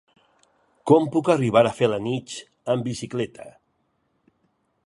Com puc arribar a Felanitx amb bicicleta?